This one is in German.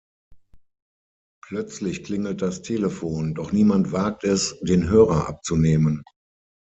Plötzlich klingelt das Telefon, doch niemand wagt es, den Hörer abzunehmen.